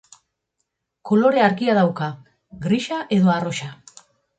Kolore argia dauka, grisa edo arrosa.